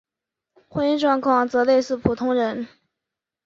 婚姻状况则类似普通人。